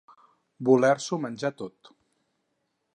Voler-s'ho menjar tot.